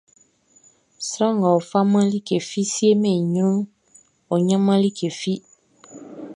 Sran ngʼɔ faman like fi siemɛn i ɲrunʼn, ɔ ɲanman like fi.